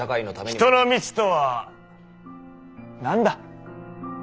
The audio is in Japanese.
人の道とは何だ？